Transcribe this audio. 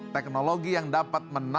teknologi yang dapat menangkap